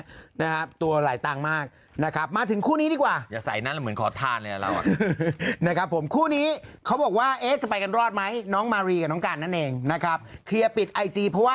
ค่ะนะครับตัวหลายตั้งมากนะครับมาถึงคู่นี้ดีกว่าใส่หน้าเหมือนทานแล้ว